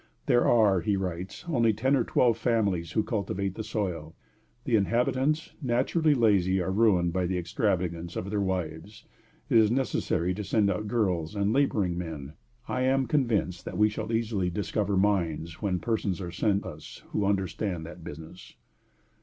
There are, he writes, only ten or twelve families who cultivate the soil. The inhabitants, naturally lazy, are ruined by the extravagance of their wives. "It is necessary to send out girls and laboring men. I am convinced that we shall easily discover mines when persons are sent us who understand that business."